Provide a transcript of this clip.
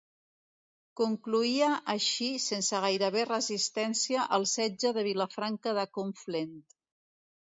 Concloïa així sense gairebé resistència el setge de Vilafranca de Conflent.